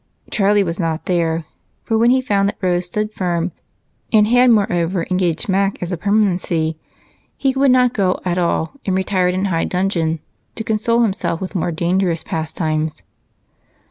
Charlie was not there, for when he found that Rose stood firm, and had moreover engaged Mac as a permanency, he would not go at all and retired in high dudgeon to console himself with more dangerous pastimes.